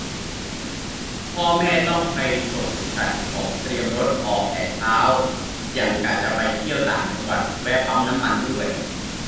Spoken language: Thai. พ่อแม่ต้องไปส่ง จัดของ เตรียมรถ ออกแต่เช้า หยั่งกะจะไปเที่ยวต่างจังหวัด แวะปั๊มน้ำมันด้วย